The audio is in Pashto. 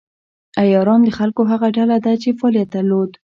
عیاران د خلکو هغه ډله ده چې فعالیت درلود.